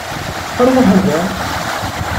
Aṛwaḥ ar da.